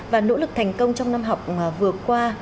và nỗ lực thành công trong năm học vừa qua